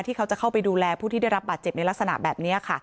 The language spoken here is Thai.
เขาจะเข้าไปดูแลผู้ที่ได้รับบาดเจ็บในลักษณะแบบนี้ค่ะ